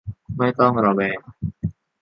ไม่ต้องระแวง